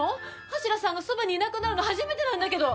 橋田さんがそばにいなくなるの初めてなんだけど！